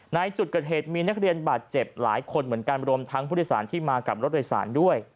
ในจุดเกิดเหตุมีนักเรียนบาดเจ็บหลายคนเหมือนกันรวมทั้งผู้โดยสารที่มากับรถโดยสารด้วย